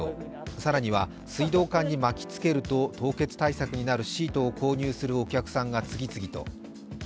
更には水道管に巻きつけると凍結対策になるシートを購入するお客さんが次々と。